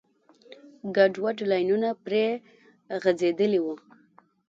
ګډوډ لاینونه پرې غځېدلي وو.